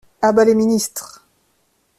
A bas les ministres!